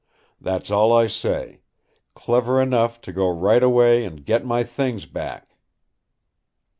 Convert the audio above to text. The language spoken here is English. That's all I say; clever enough to go right away and get my things back."